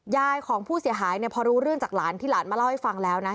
ยายของผู้เสียหายเนี่ยพอรู้เรื่องจากหลานที่หลานมาเล่าให้ฟังแล้วนะ